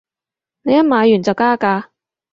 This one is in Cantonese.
你一買完就加價